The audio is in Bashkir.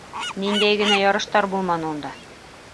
Ниндәй генә ярыштар булманы унда.